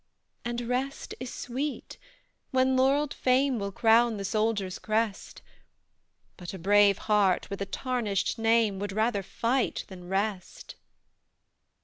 "And rest is sweet, when laurelled fame Will crown the soldier's crest; But a brave heart, with a tarnished name, Would rather fight than rest.